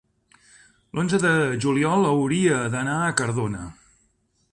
l'onze de juliol hauria d'anar a Cardona.